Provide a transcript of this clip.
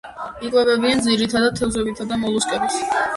იკვებებიან ძირითადად თევზებითა და მოლუსკებით.